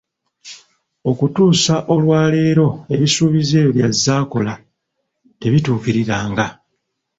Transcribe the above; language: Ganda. Okutuusa olunaku lwaleero ebisuubizo ebyo by'azze akola, tebituukiriranga.